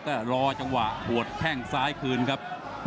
ก็รอจังหวะหัวแข้งซ้ายคืนครับ